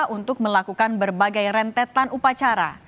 untuk melakukan berbagai rentetan upacara